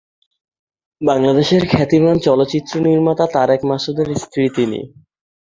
বাংলাদেশের খ্যাতিমান চলচ্চিত্র নির্মাতা তারেক মাসুদের স্ত্রী তিনি।